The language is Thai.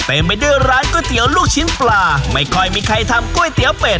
ไปด้วยร้านก๋วยเตี๋ยวลูกชิ้นปลาไม่ค่อยมีใครทำก๋วยเตี๋ยวเป็ด